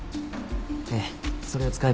ええ。